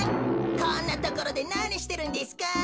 こんなところでなにしてるんですか？